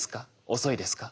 遅いですか？